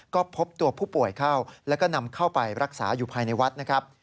ก็พบตัวผู้ป่วยเข้าแล้วก็นำเข้าไปรักษาอยู่ภายในวัดนะครับ